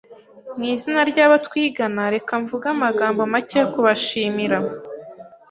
Mw'izina ry'abo twigana, reka mvuge amagambo make yo kubashimira.